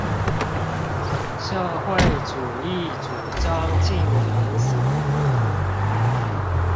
社會主義主張盡人所能